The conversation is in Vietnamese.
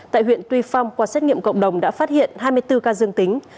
tại huyện tuy phong qua xét nghiệm cộng đồng đã phát hiện hai mươi bốn ca dương tính